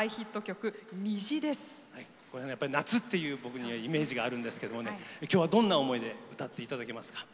やっぱり夏っていう僕にはイメージがあるんですけどもね今日はどんな思いで歌っていただけますか？